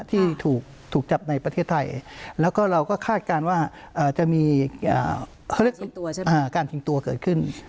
ที่ถูกจับในประเทศไทยแล้วก็เราก็คาดการณ์ว่าจะมีการชิงตัวเกิดขึ้น